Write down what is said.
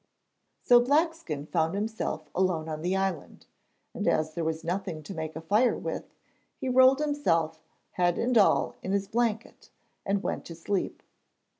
So Blackskin found himself alone on the island, and as there was nothing to make a fire with, he rolled himself, head and all in his blanket, and went to sleep.